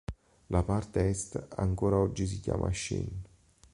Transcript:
La parte est ancora oggi si chiama Sheen.